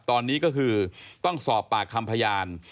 ตอนนี้ก็คือต้องสอบปากคำพยาน